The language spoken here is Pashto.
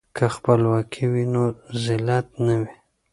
که خپلواکي وي نو ذلت نه وي.